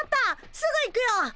すぐ行くよ！